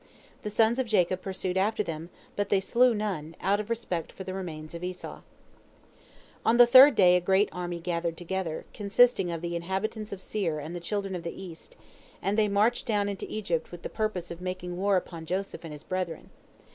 The sons of Jacob pursued after them, but they slew none, out of respect for the remains of Esau. On the third day a great army gathered together, consisting of the inhabitants of Seir and the children of the East, and they marched down into Egypt with the purpose of making war upon Joseph and his brethren.